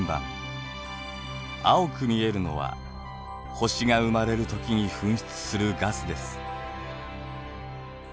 青く見えるのは星が生まれるときに噴出するガスです。